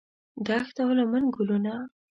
دښت او لمن ګلونه